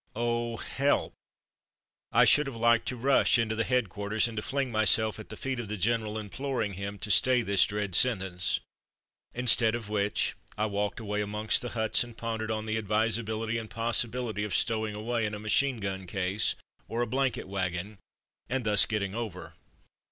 Oh, help! I should have liked to rush into the Head quarters and to fling myself at the feet of the General imploring him to stay this dread sentence. Instead of which I walked away amongst the huts and pondered on the ad visability and possibility of stowing away in a machine gun case, or a blanket wagon, and thus ''getting over.''